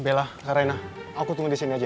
bella kak raina aku tunggu di sini aja ya